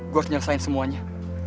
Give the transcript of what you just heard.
gua harus nyelesain semuanya